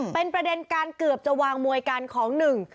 เป็นประเด็นการเกือบจะวางมวยกันของหนึ่ง